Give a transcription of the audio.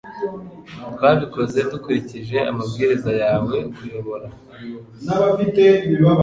Twabikoze dukurikije amabwiriza yawe (_kuyobora)